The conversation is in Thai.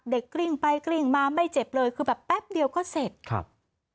กลิ้งไปกลิ้งมาไม่เจ็บเลยคือแบบแป๊บเดียวก็เสร็จครับ